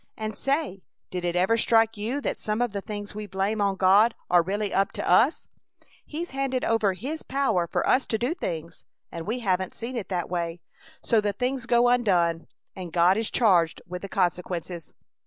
And say, did it ever strike you that some of the things we blame on God are really up to us? He's handed over His power for us to do things, and we haven't seen it that way; so the things go undone and God is charged with the consequences."